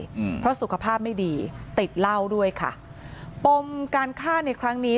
อืมเพราะสุขภาพไม่ดีติดเหล้าด้วยค่ะปมการฆ่าในครั้งนี้